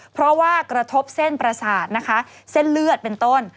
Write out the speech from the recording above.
เพราะว่ากระทบเส้นประสาทนะคะเส้นเลือดเป็นต้น